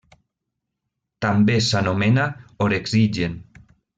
També s'anomena orexigen.